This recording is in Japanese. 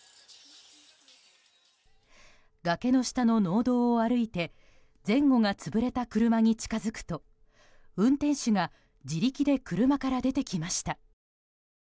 崖の下の農道を歩いて潰れた車に近づくと運転手が自力で車から出てきました。